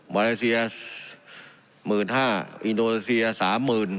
มอเลเซีย๑๕๐๐๐บาทอินโดรเซีย๓๐๐๐๐บาท